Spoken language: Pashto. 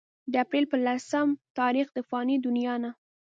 د اپريل پۀ لسم تاريخ د فاني دنيا نه